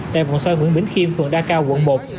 tại vòng xoay nguyễn bính khiêm phường đa cao quận một